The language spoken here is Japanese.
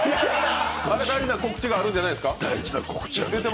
大事な告知があるんじゃないですか？